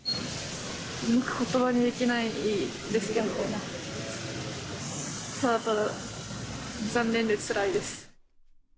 うまくことばにできないですけど、ただただ、残念で、つらいです。